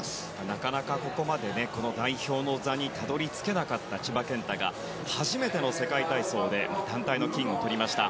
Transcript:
なかなかここまで代表の座にたどり着けなかった千葉健太が初めての世界体操で団体の金をとりました。